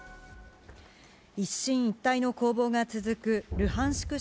一進一退の攻防が続くルハンシク